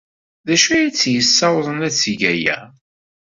D acu ay tt-yessawḍen ad teg aya?